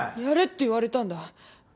やれって言われたんだ。